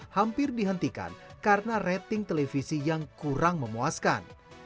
hampir dihentikan karena rating televisi yang kurang memuaskan